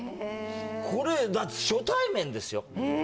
これだって初対面ですよえ